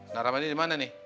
si ramadinya dimana nih